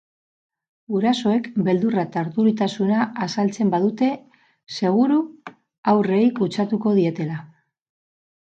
Gurasoek beldurra eta urduritasuna azaltzen badute, seguru haurrei kutsatuko dietela.